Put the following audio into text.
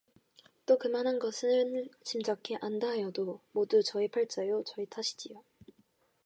또 그만한 것을 짐작해 안다 하여도 모두 저의 팔자요 저의 탓이지요.